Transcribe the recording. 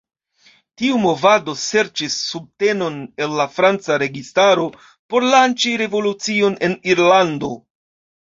Tiu movado serĉis subtenon el la Franca registaro por lanĉi revolucion en Irlando.